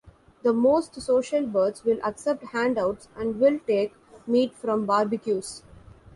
The most social birds will accept handouts and will take meat from barbecues.